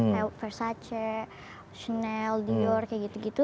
kayak versace shanel dior kayak gitu gitu